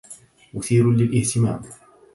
مثير للإهتمام.